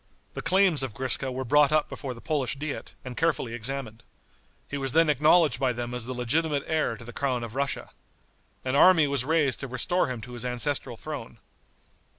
The claims of Griska were brought up before the Polish diet and carefully examined. He was then acknowledged by them as the legitimate heir to the crown of Russia. An army was raised to restore him to his ancestral throne.